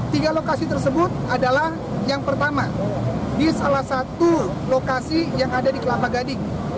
tiga lokasi tersebut adalah yang pertama di salah satu lokasi yang ada di kelapa gading